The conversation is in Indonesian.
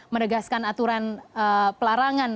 menegaskan aturan pelarangan